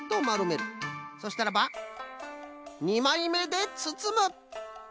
そしたらば２まいめでつつむ。